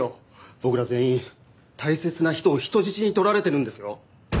僕ら全員大切な人を人質に取られてるんですよ。